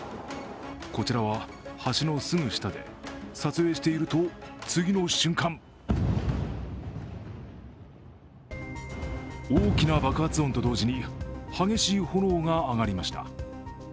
こちらは橋のすぐ下で撮影していると次の瞬間大きな爆発音と同時に激しい炎が上がりました。